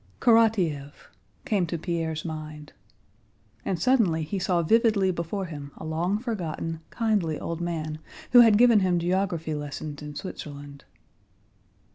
"Karatáev!" came to Pierre's mind. And suddenly he saw vividly before him a long forgotten, kindly old man who had given him geography lessons in Switzerland.